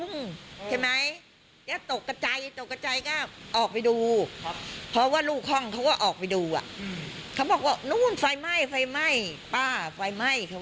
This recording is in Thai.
ม้วนกว่าง้วนพี่บ้านหรือเสียหายคือว่าห้องน้ำ